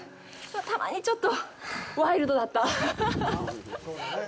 たまにちょっとワイルドだった。